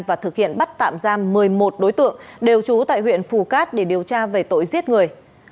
và thực hiện bắt tạm giam một mươi một đối tượng đều trú tại huyện phù cát để điều tra về tội giết người